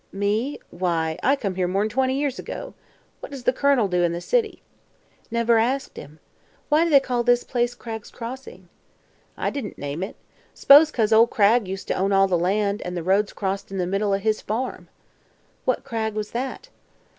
"Me? Why, I come here more'n twenty years ago. What does the Colonel do in the city?" "Never asked him. Why do they call this place Cragg's Crossing?" "I didn't name it. S'pose 'cause ol' Cragg used to own all the land, an' the roads crossed in the middle o' his farm." "What Cragg was that?"